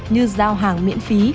như giao hàng miễn phí